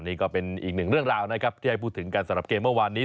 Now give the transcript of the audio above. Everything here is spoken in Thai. นี่ก็เป็นอีกหนึ่งเรื่องราวนะครับที่ให้พูดถึงกันสำหรับเกมเมื่อวานนี้